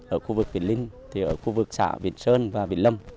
ở khu vực vĩnh linh ở khu vực xã vĩnh sơn và vĩnh lâm